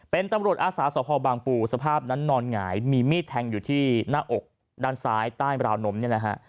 เป็นตำรวจอาสาสภบางปูสภาพนั้นนอนหงายมีมีดแทงอยู่ที่หน้าอกด้านซ้ายใต้ราวนมเนี่ยนะฮะ